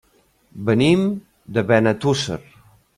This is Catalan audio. Venim de Benetússer.